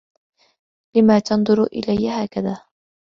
لماذا تنظُرُ إليَّ هكذا؟